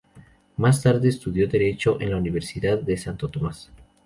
Más tarde estudió Derecho en la Universidad de Santo Tomás.